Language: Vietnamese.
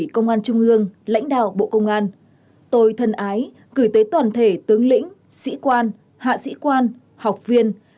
chào các bạn